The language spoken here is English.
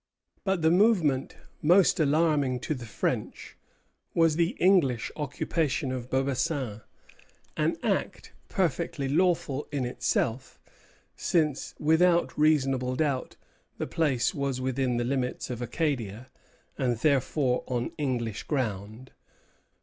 But the movement most alarming to the French was the English occupation of Beaubassin, an act perfectly lawful in itself, since, without reasonable doubt, the place was within the limits of Acadia, and therefore on English ground.